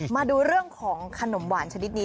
มาดูเรื่องของขนมหวานชนิดนี้